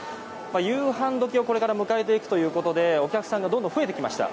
夕飯時をこれから迎えていくということでお客さんが増えてきました。